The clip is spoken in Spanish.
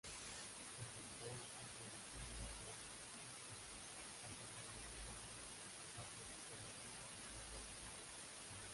Es doctor en Teología por el Pontificio Ateneo Regina Apostolorum de Roma.